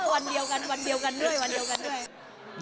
วันเดียวกันวันเดียวกันด้วยวันเดียวกันด้วย